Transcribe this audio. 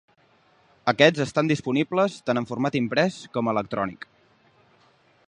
Aquests estan disponibles tant en format imprès com electrònic.